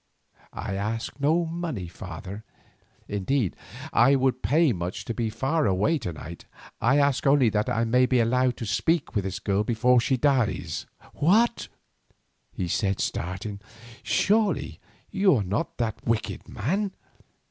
"I ask no money, father. Indeed I would pay much to be far away to night. I ask only that I may be allowed to speak with this girl before she dies." "What!" he said, starting, "surely you are not that wicked man?